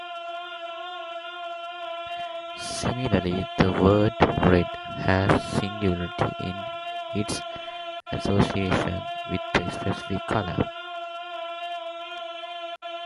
Similarly, the word "red" has singularity in its association with a specific color.